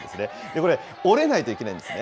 これ、折れないといけないんですね。